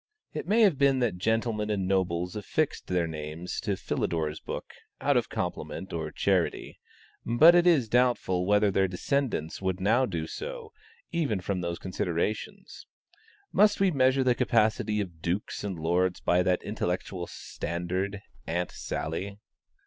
It may have been that gentlemen and nobles affixed their names to Philidor's book, out of compliment or charity, but it is doubtful whether their descendants would now do so, even from those considerations. Must we measure the capacity of dukes and lords by that intellectual standard, "Aunt Sally?"